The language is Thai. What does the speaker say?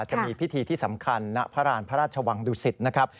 จะมีพิธีที่สำคัญณพระราณพระราชวังดุสิตนะครับ